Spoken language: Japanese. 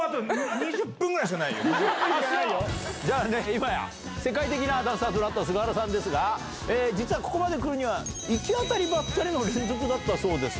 今や世界的なダンサーとなった菅原さんですが実はここまで来るには行き当たりばったりの連続だったそうです。